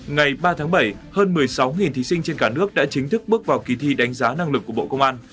ngày ba tháng bảy hơn một mươi sáu thí sinh trên cả nước đã chính thức bước vào kỳ thi đánh giá năng lực của bộ công an